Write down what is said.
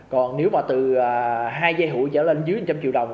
còn nếu mà từ hai dây hụi trở lên dưới một trăm linh triệu đồng